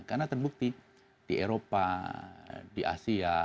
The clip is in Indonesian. karena terbukti di eropa di asia